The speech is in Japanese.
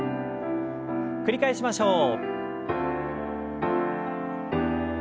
繰り返しましょう。